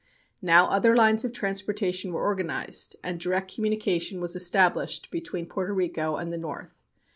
Now other lines of transportation were organized, and direct communication was established between Porto Rico and the north.